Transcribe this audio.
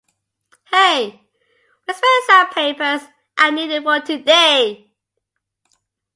Hey, where's my exam papers? I need it for today.